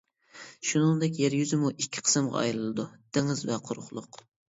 شۇنىڭدەك، يەر يۈزىمۇ ئىككى قىسىمغا ئايرىلىدۇ، دېڭىز ۋە قۇرۇقلۇق.